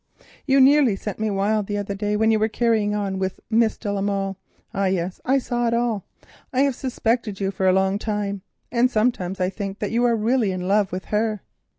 You nearly sent me wild the other day when you were carrying on with Miss de la Molle—ah, yes, I saw it all—I have suspected you for a long time, and sometimes I think that you are really in love with her.